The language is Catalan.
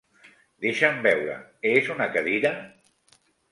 Deixa'm veure, és una cadira?